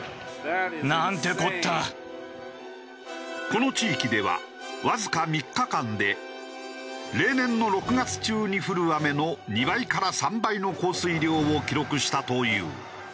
この地域ではわずか３日間で例年の６月中に降る雨の２倍から３倍の降水量を記録したという。